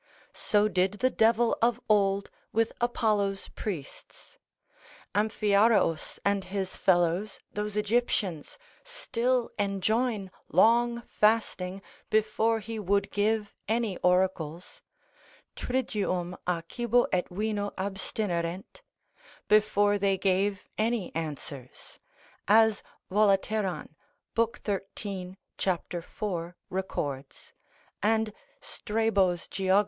So did the devil of old with Apollo's priests. Amphiaraus and his fellows, those Egyptians, still enjoin long fasting before he would give any oracles, triduum a cibo et vino abstinerent, before they gave any answers, as Volateran lib. 13. cap. 4. records, and Strabo Geog.